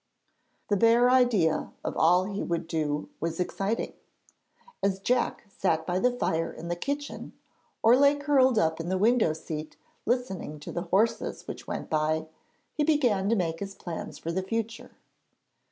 The bare idea of all he would do was exciting. As Jack sat by the fire in the kitchen or lay curled up in the window seat listening to the horses which went by, he began to make his plans for the future.